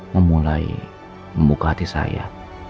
memulai membuka hati saya